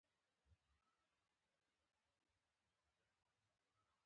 عادي قاشوغه او د سوځیدو قاشوغه پکار ده.